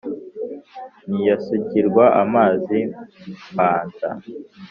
Ntiyasukirwa amazi mbanza